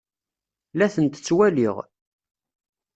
La tent-ttwaliɣ.